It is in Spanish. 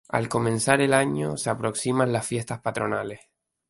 Al comenzar el nuevo año se aproximan las fiestas patronales.